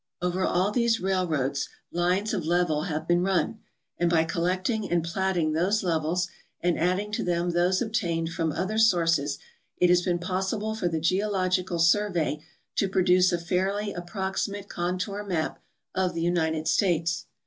Over all these railroads lines of level have been run, and by collecting and platting those levels and adding to them those obtained fr^m other sources, it has been possible for the Geological Survey to produce a fairly approximate contour map of the United States.